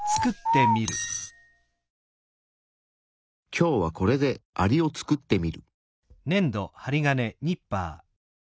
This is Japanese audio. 今日はこれでアリを作ってみる。